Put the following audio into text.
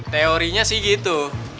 teorinya sih gitu